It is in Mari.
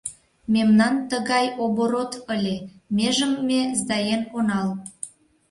Мемнан тыгай оборот ыле, межым ме сдаен онал.